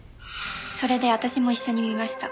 それで私も一緒に見ました。